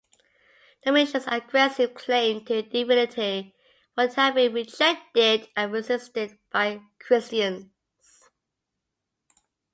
Domitian's aggressive claim to divinity would have been rejected and resisted by Christians.